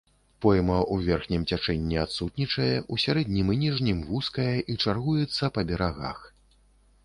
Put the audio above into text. Пойма ў верхнім цячэнні адсутнічае, у сярэднім і ніжнім вузкая і чаргуецца па берагах.